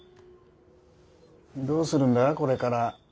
どうするんだこれから。